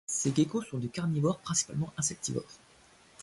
Ces geckos sont des carnivores principalement insectivores.